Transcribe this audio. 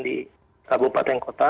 di kabupaten kota